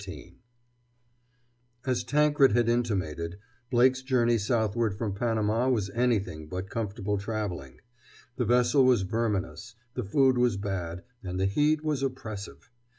XIII As Tankred had intimated, Blake's journey southward from Panama was anything but comfortable traveling. The vessel was verminous, the food was bad, and the heat was oppressive.